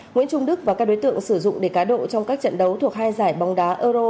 nguyễn trung đức và các đối tượng sử dụng để cá độ trong các trận đấu thuộc hai giải bóng đá euro